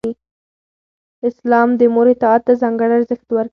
اسلام د مور اطاعت ته ځانګړی ارزښت ورکوي.